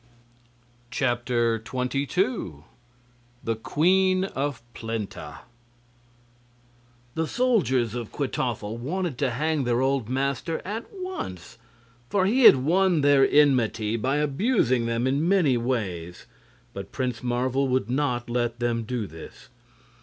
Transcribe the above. The Queen of Plenta The soldiers of Kwytoffle wanted to hang their old master at once, for he had won their enmity by abusing them in many ways; but Prince Marvel would not let them do this.